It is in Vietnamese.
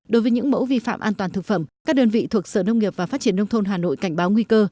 đối với những mẫu vi phạm an toàn thực phẩm các đơn vị thuộc sở nông nghiệp và phát triển nông thôn hà nội cảnh báo nguy cơ